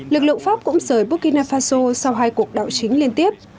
lực lượng pháp cũng rời burkina faso sau hai cuộc đảo chính liên tiếp